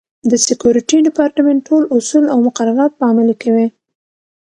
د سکورټي ډیپارټمنټ ټول اصول او مقررات به عملي کوي.